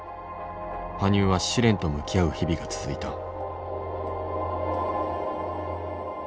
羽生は試練と向き合う日々が続いた。